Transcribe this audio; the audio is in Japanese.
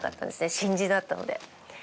新人だったので。